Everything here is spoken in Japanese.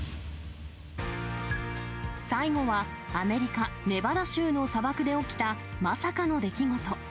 最後は、アメリカ・ネバダ州の砂漠で起きたまさかの出来事。